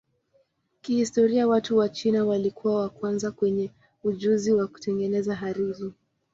Kihistoria watu wa China walikuwa wa kwanza wenye ujuzi wa kutengeneza hariri.